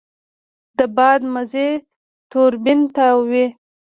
د باد مزی توربین تاووي.